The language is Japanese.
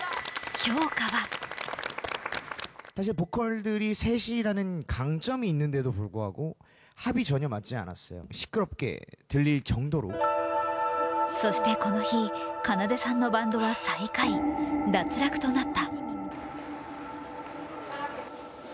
評価はそしてこの日、奏さんのバンドは最下位、脱落となった。